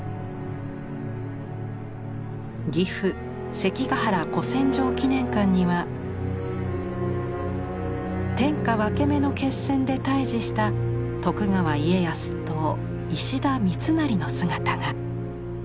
岐阜関ケ原古戦場記念館には天下分け目の決戦で対峙した徳川家康と石田三成の姿が。